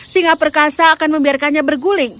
singa perkasa akan membiarkannya berguling